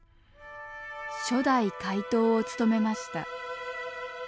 初代会頭を務めました。